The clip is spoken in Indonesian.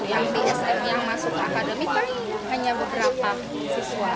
yang di sma yang masuk ke akademi kan hanya beberapa siswa